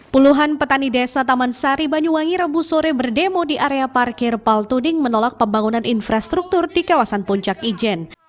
puluhan petani desa taman sari banyuwangi rabu sore berdemo di area parkir paltuding menolak pembangunan infrastruktur di kawasan puncak ijen